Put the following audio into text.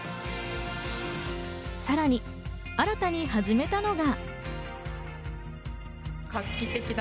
さらに新たに始めたのが。